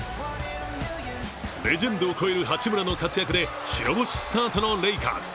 レジェンドを超える八村の活躍で白星スタートのレイカーズ。